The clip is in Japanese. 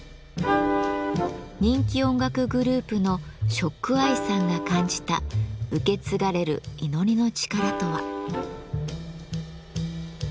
人気音楽グループのＳＨＯＣＫＥＹＥさんが感じた受け継がれる祈りの力とは。